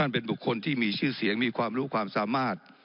เป็นบุคคลที่มีชื่อเสียงมีความรู้ความสามารถ